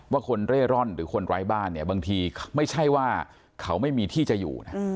คนเร่ร่อนหรือคนไร้บ้านเนี่ยบางทีไม่ใช่ว่าเขาไม่มีที่จะอยู่นะ